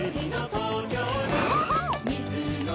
そうそう！